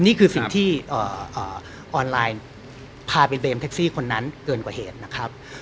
นี่คือสิ่งที่ออนไลน์พาไปเติมแท็กซี่คนนั้นเกินกว่าเหตุนะครับ